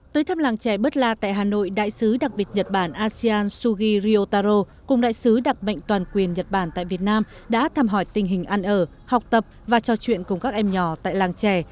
tới thăm làng trẻ bất la tại hà nội đại sứ đặc biệt nhật bản asean shuguri otaro cùng đại sứ đặc mệnh toàn quyền nhật bản tại việt nam đã thăm hỏi tình hình ăn ở học tập và trò chuyện cùng các em nhỏ tại làng trẻ